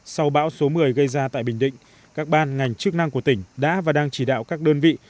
sau bão số một mươi gây ra tại bình định các ban ngành chức năng của tỉnh đã và đang chỉ đạo các đơn vị